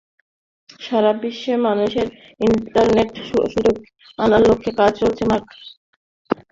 সারা বিশ্বের মানুষকে ইন্টারনেট সংযোগে আনার লক্ষ্যে কাজ করে চলেছেন মার্ক।